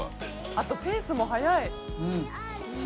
あとペースも速い。